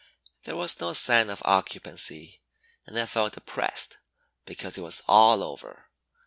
There was no sign of occupancy and I felt depressed because it was all over.